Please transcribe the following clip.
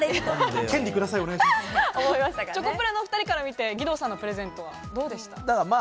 チョコプラのお２人から見て義堂さんのプレゼントはどうでしたか？